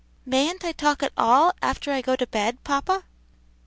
"Mayn't I talk at all, after I go to bed, papa?"